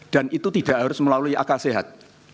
dan itu tidak harus melalui akal sehat